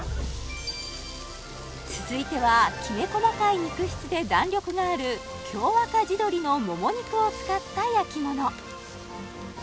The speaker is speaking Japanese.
続いてはきめ細かい肉質で弾力がある京赤地鶏のもも肉を使った焼き物